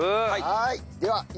はい。